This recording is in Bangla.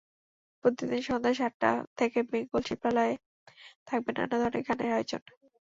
প্রতিদিন সন্ধ্যা সাতটা থেকে বেঙ্গল শিল্পালয়ে থাকবে নানা ধরণের গানের আয়োজন।